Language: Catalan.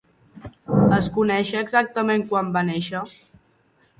Es coneix exactament quan va néixer?